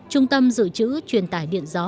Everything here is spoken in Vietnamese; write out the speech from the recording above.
trung tâm dự trữ truyền tải điện gió